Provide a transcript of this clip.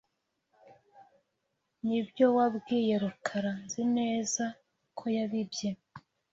Nibyo wabwiye Rukara, Nzi neza koyabibye.